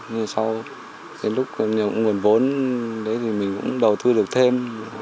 nhưng mà sau đến lúc nhờ nguồn vốn mình cũng đầu tư được thêm